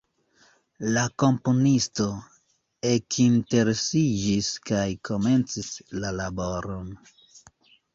La komponisto ekinteresiĝis kaj komencis la laboron.